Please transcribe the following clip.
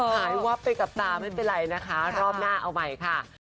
หายวับไปกับตาไม่เป็นไรนะคะรอบหน้าเอาใหม่ค่ะ